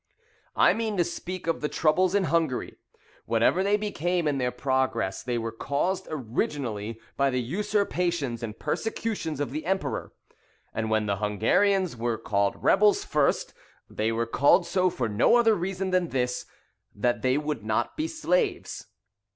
I MEAN TO SPEAK OF THE TROUBLES IN HUNGARY. WHATEVER THEY BECAME IN THEIR PROGRESS, THEY WERE CAUSED ORIGINALLY BY THE USERPATIONS AND PERSECUTIONS OF THE EMPEROR; AND WHEN THE HUNGARIANS WERE CALLED REBELS FIRST, THEY WERE CALLED SO FOR NO OTHER REASON THAN THIS, THAT THEY WOULD NOT BE SLAVES.